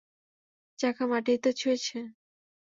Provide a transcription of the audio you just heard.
চাকা মাটিতে ছুঁয়েছে?